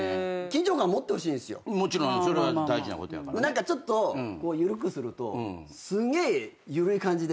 何かちょっと緩くするとすげえ緩い感じで接してくる。